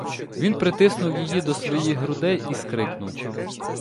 Він притиснув її до своїх грудей і скрикнув.